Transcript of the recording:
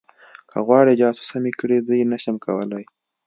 که غواړې جاسوسه مې کړي زه یې نشم کولی